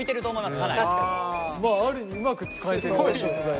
まあある意味うまく使えてる食材。